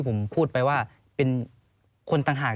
ผมพูดไปว่าเป็นคนต่างหาก